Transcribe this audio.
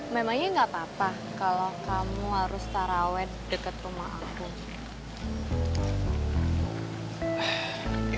memangnya gak apa apa kalau kamu harus tarawe deket rumah aku